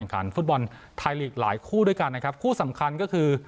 ขันฟุตบอลไทยลีกหลายคู่ด้วยกันนะครับคู่สำคัญก็คือ